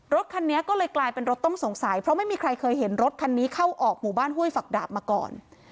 รถคันนี้ก็เลยกลายเป็นรถต้องสงสัยเพราะไม่มีใครเคยเห็นรถคันนี้เข้าออกหมู่บ้านห้วยฝักดาบมาก่อน